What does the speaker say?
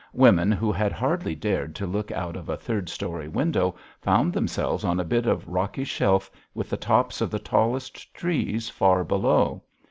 Women who had hardly dared to look out of a third story window found themselves on a bit of rocky shelf, with the tops of the tallest trees far below.